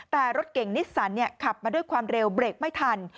แต่รถเก่งนิสสันขับมาด้วยความเร็วเบรกไม่ทัน